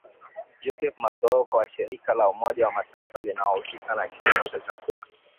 Joseph Mathooko wa Shirika la Umoja wa Mataifa linalohusika na Kilimo na Chakula